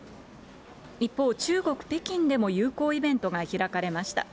一方、中国・北京でも友好イベントが開かれました。